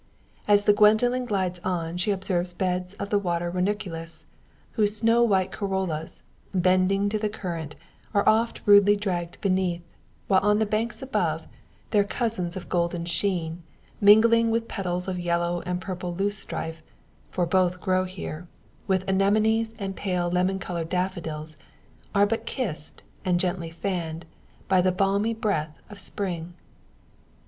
As the Gwendoline glides on, she observes beds of the water ranunculus, whose snow white corollas, bending to the current, are oft rudely dragged beneath; while on the banks above, their cousins of golden sheen, mingling with the petals of yellow and purple loosestrife for both grow here with anemones, and pale, lemon coloured daffodils are but kissed, and gently fanned, by the balmy breath of Spring.